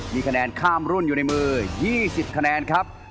มีคะแนนข้ามรุ่นอยู่ในมือ๒๐คะแนนครับ